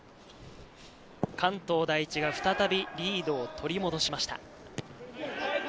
関東第一が再びリードを取り戻しました。